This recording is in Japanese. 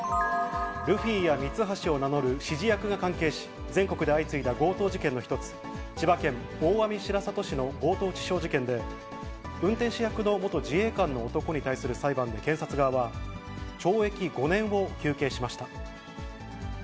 ルフィやミツハシを名乗る指示役が関係し、全国で相次いだ強盗事件の一つ、千葉県大網白里市の強盗致傷事件で、運転手役の元自衛官の男に対する裁判で検察側は、懲役５年を求刑しました。